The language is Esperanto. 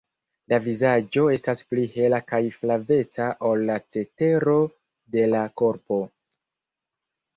La vizaĝo estas pli hela kaj flaveca ol la cetero de la korpo.